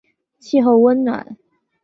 气候温暖。